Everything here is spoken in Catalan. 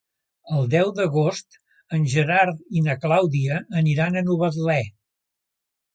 El deu d'agost en Gerard i na Clàudia aniran a Novetlè.